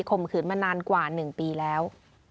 มขืนมานานกว่า๑ปีแล้ว